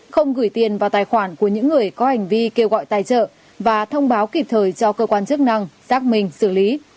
không gửi tiền vào tài khoản của những người có hành vi kêu gọi tài trợ và thông báo kịp thời cho cơ quan chức năng xác minh xử lý